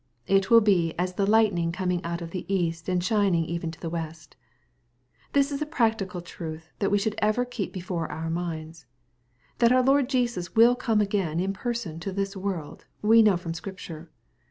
It will be " as the lightning coming out of the east, and shining even to the west." ) This is a practical truth that we should ever keep be fore our minds. That our Lord Jesus will come again in person to this world, we know from Scripture.